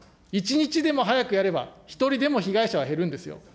１日でも早くやれば、一人でも被害者が減るんですよ。